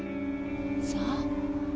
そう。